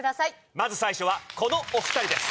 まず最初はこのお２人です。